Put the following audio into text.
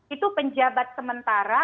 itu penjabat sementara